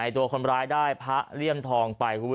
ตัวคนร้ายได้พระเลี่ยมทองไป